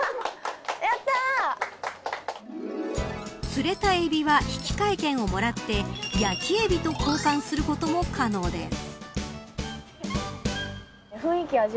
釣れたエビは引き換え券をもらって焼きエビと交換することも可能です。